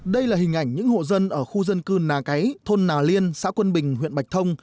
đây là hình ảnh những hộ dân ở khu dân cư nà cấy thôn nà liên xã quân bình huyện bạch thông